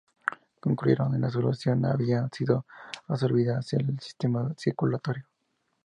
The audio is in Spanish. Concluyeron que la solución había sido absorbida hacia el sistema circulatorio.